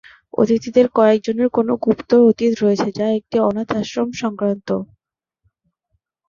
অতিথিদের কয়েকজনের কোনো গুপ্ত অতীত রয়েছে যা একটি অনাথ আশ্রম সংক্রান্ত।